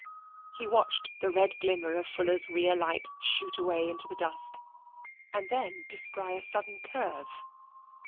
He watched the red glimmer of Fuller's rear light shoot away into the dusk, and then descry a sudden curve.